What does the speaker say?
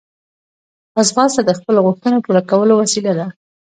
ځغاسته د خپلو غوښتنو پوره کولو وسیله ده